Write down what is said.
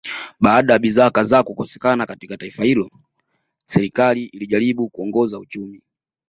Baada ya bidhaa kadhaa kukosekana katika taifa hilo serikali ilijaribu kuongoza uchumi